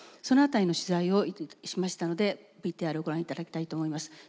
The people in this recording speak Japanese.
その辺りの取材をしましたのでＶＴＲをご覧いただきたいと思います。